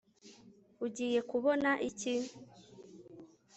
ugiye kubona iki